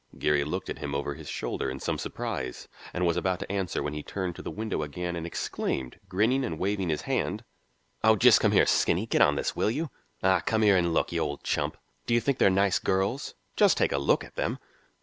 Geary looked at him over his shoulder in some surprise, and was about to answer when he turned to the window again and exclaimed, grinning and waving his hand: "Oh, just come here, Skinny; get on to this, will you? Ah, come here and look, you old chump! Do you think they're nice girls? Just take a look at them."